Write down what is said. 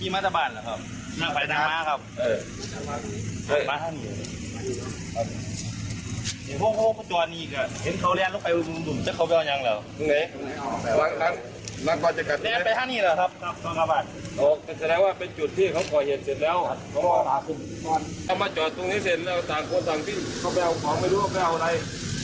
มาจอดตรงนี้เสร็จแล้วต่างคนต่างที่เขาไปเอาของไม่รู้ว่าไปเอาอะไร